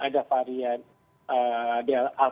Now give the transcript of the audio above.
ya ini yang saya takutkan